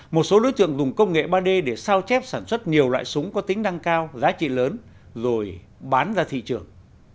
một số đối tượng dùng công nghệ ba d để sao chép sản xuất nhiều loại súng có tính năng cao giá trị lớn rồi bán ra thị trường